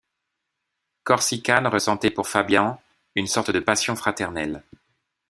Corsican ressentait pour Fabian une sorte de passion fraternelle.